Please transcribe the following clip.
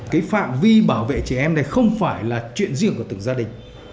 cái phạm vi bảo vệ trẻ em này không phải là chuyện riêng của từng gia đình